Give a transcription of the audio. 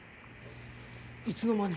いつの間に？